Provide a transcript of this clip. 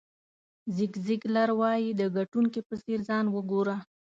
زیګ زیګلر وایي د ګټونکي په څېر ځان وګوره.